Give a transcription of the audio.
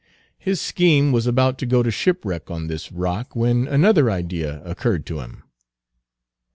His scheme was about to go to shipwreck on this rock, when another idea occurred to him.